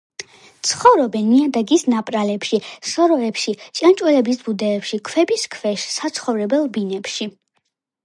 ცხოვრობენ ნიადაგის ნაპრალებში, სოროებში, ჭიანჭველების ბუდეებში, ქვების ქვეშ, საცხოვრებელ ბინებში.